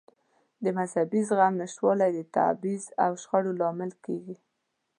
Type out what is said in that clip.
د مذهبي زغم نشتوالی د تبعیض او شخړو لامل کېږي.